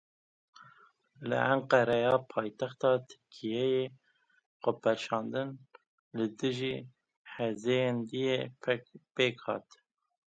Li Enqereya paytexta Tirkiyeyê xwepêşandan li dijî hevzayendiyê pêk hat.